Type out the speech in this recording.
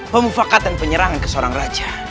pemufakatan penyerangan ke seorang raja